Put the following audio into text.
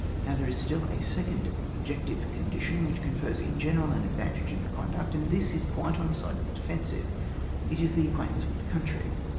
Now, there is still a second ob jective condition which confers in general an advantage in the conduct, and this is quite on the side of the defensive : it is the acquaintance with the country.